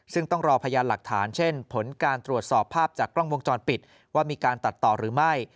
ซึ่งต้องรอพยานหลักฐานเช่นผลการตรวจสอบภาพจากกล้องวงจรปิดว่ามีการตัดต่อหรือไม่